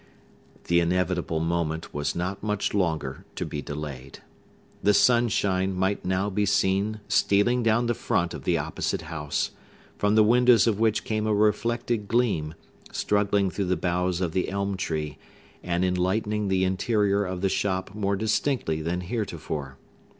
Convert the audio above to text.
The inevitable moment was not much longer to be delayed. The sunshine might now be seen stealing down the front of the opposite house, from the windows of which came a reflected gleam, struggling through the boughs of the elm tree, and enlightening the interior of the shop more distinctly than heretofore.